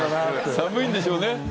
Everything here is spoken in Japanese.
寒いんでしょうね。